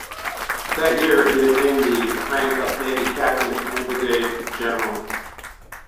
That year he attained the rank of Navy Captain and Brigade General.